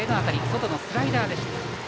外のスライダーでした。